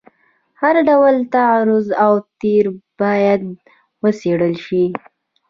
هر ډول تعرض او تیری باید وڅېړل شي.